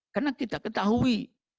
karena kita ketahui